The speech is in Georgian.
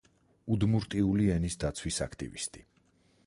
უდმურტული ენის დაცვის აქტივისტი.